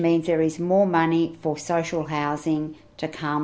yang berarti ada lebih banyak uang untuk pembangunan sosial